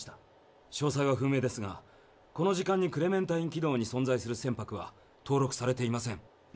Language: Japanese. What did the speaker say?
詳細は不明ですがこの時間にクレメンタイン軌道に存在する船舶は登録されていません。